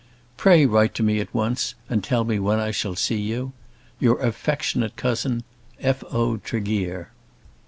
Pray write to me at once, and tell me when I shall see you. Your affectionate Cousin, F. O. TREGEAR.